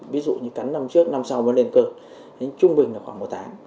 ví dụ như cắn năm trước năm sau mới lên cơ trung bình là khoảng một tháng